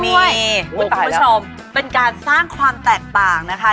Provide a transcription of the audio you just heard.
นี่คุณผู้ชมเป็นการสร้างความแตกต่างนะคะ